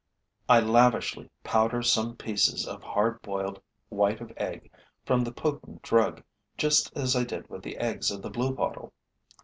I lavishly powder some pieces of hard boiled white of egg with the potent drug, just as I did with the eggs of the Bluebottle.